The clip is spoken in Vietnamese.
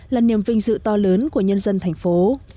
là niềm vinh dự to lớn của nhân dân thành phố